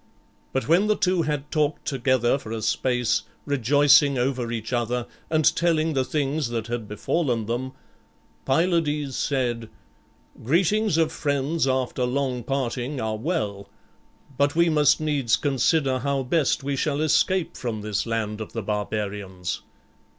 But when the two had talked together for a space, rejoicing over each other and telling the things that had befallen them, Pylades said, "Greetings of friends after long parting are well; but we must needs consider how best we shall escape from this land of the barbarians."